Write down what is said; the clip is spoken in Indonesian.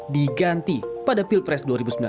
diganti pada pilpres dua ribu sembilan belas